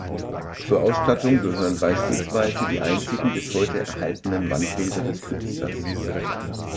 Zur Ausstattung gehören beispielsweise die einzigen bis heute erhaltenen Wandbilder des Künstlers.